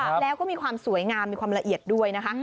แล้วก็มีความสวยงามมีความละเอียดด้วยนะคะ